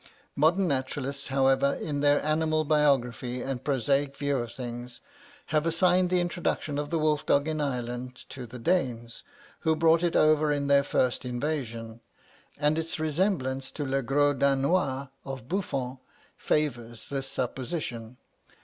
Modern naturalists, however, in their animal biography and prosaic view of things, have assigned the introduction of the wolf dog in Ireland to the Danes, who brought it over in their first invasion; and its resemblance to 'Le gros Danois' of Buffon favours the supposition.